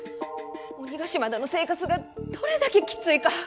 鬼ヶ島での生活がどれだけきついか。